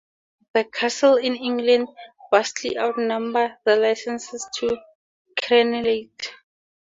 The castles in England vastly outnumber the licences to crenellate.